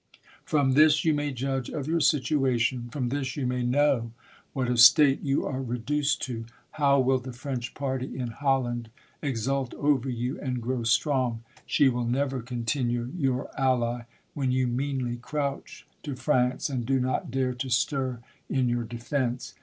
From this you may judge of your situation ; fro] Hiis you may know what a state you are reduced to: ilow will the French party in Holland exuU over you, and grow strong ! She will never continue your ally, when you meanly crouch to France, and do not dare to stir in your defence